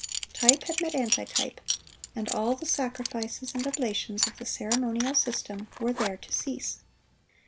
Type had met antitype, and all the sacrifices and oblations of the ceremonial system were there to cease.